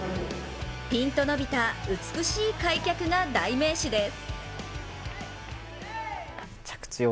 ピンと伸びた美しい開脚が代名詞です。